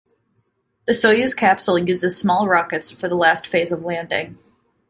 The Soyuz capsule uses small rockets for the last phase of landing.